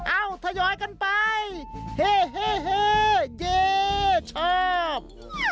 เอ้าถยอยกันไปเฮ้เฮเฮเย้ชอบ